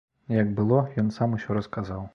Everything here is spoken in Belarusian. Як было, ён сам усё расказаў.